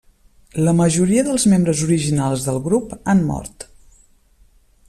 La majoria dels membres originals del grup han mort.